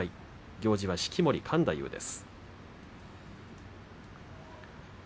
行司は式守勘太夫です。